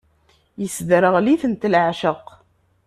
Isderɣel-itent leεceq.